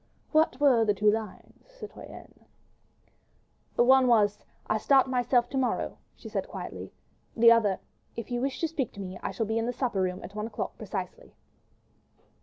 What were the two lines, citoyenne?" "One was, 'I start myself to morrow,'" she said quietly; "the other—'If you wish to speak to me, I shall be in the supper room at one o'clock precisely.